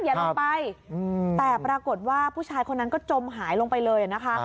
อย่าลงไปแต่ปรากฏว่าผู้ชายคนนั้นก็จมหายลงไปเลยนะคะ